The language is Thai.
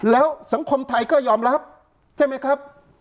แล้วสังคมไทยก็ยอมรับใช่ไหมครับ